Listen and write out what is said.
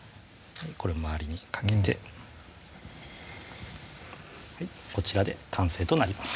これを周りにかけてこちらで完成となります